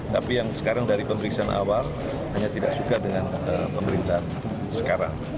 tapi yang sekarang dari pemeriksaan awal hanya tidak suka dengan pemeriksaan sekarang